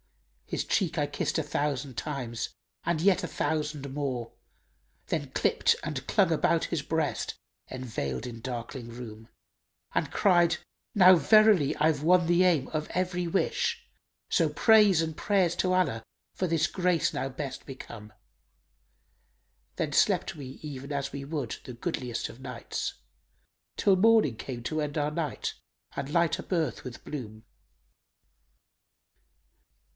His cheek I kissed a thousand times, and yet a thousand more; * Then clipt and clung about his breast enveiled in darkling room. And cried, 'Now verily I've won the aim of every wish * So praise and prayers to Allah for this grace now best become.' Then slept we even as we would the goodliest of nights * Till morning came to end our night and light up earth with bloom."